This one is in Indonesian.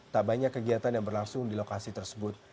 tak banyak kegiatan yang berlangsung di lokasi tersebut